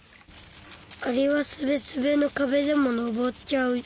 アリはすべすべのかべでも上っちゃう。